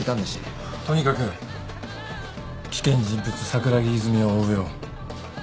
とにかく危険人物桜木泉を追うよ。